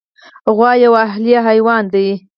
غوا یو اهلي حیوان دی.